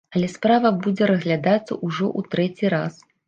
Але справа будзе разглядацца ўжо ў трэці раз.